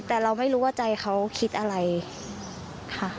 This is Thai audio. แต่เราไม่รู้ว่าใจเขาคิดอะไรค่ะ